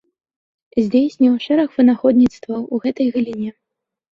Здзейсніў шэраг вынаходніцтваў у гэтай галіне.